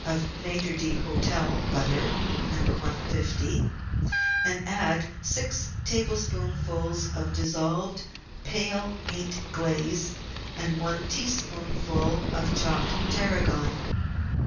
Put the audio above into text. of Maitre d'Hotel butter (No. 150) and add six tablespoonfuls of dissolved, pale meat glaze and one teaspoonful of chopped tarragon.